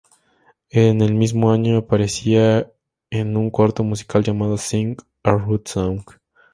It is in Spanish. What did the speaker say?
En el mismo año aparecería en un corto musical llamado "Sing a Rude Song".